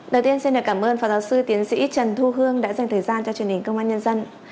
đầu tiên xin được cảm ơn phó giáo sư tiến sĩ trần thu hương đã dành thời gian cho truyền hình công an nhân dân